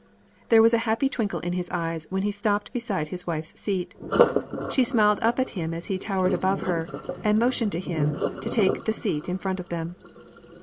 There was a happy twinkle in his eyes when he stopped beside his wife's seat. She smiled up at him as he towered above her, and motioned him to take the seat in front of them.